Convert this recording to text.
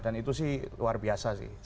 dan itu sih luar biasa sih